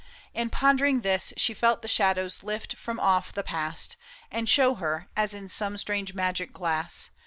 And pondering this, She felt the shadows lift from off the past. And show her, as in some strange magic glass.